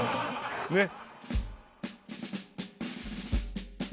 ねっ。